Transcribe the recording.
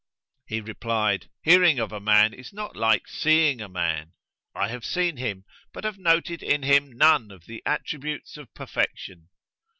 He replied, "Hearing of a man is not like seeing a man. I have seen him, but have noted in him none of the attributes of perfection.